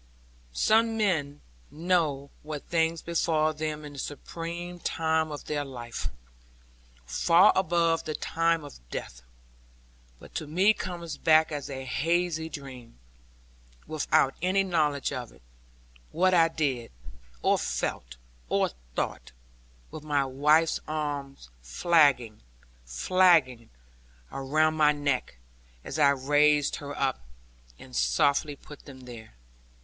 Some men know what things befall them in the supreme time of their life far above the time of death but to me comes back as a hazy dream, without any knowledge in it, what I did, or felt, or thought, with my wife's arms flagging, flagging, around my neck, as I raised her up, and softly put them there.